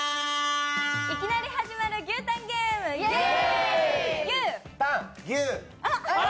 いきなり始まる牛タンゲーム、イェー！